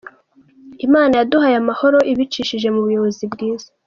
Imana yaduhaye amahoro ibicishije mu buyobozi bwiza.